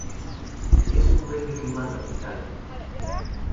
Es un pez de clima tropical.